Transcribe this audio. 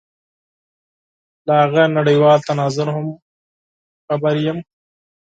له هغه نړېوال تناظر هم خبر یم.